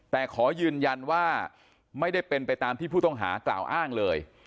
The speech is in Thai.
แต่ขอยืนยันว่าไม่ได้เป็นไปตามที่ผู้ต้องหากล่าวอ้างเลย